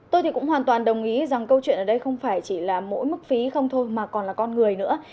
tôi thì cũng hoàn toàn đồng ý rằng câu chuyện ở đây không phải chỉ là mỗi mức phí không thôi mà còn là con người nữa